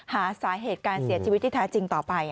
หาสาเหตุการเสียชีวิตที่แท้จริงต่อไป